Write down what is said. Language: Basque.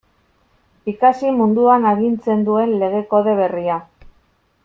Ikasi munduan agintzen duen Lege Kode berria.